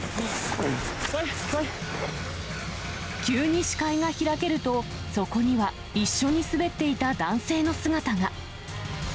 急に視界が開けると、そこには一緒に滑っていた男性の姿が。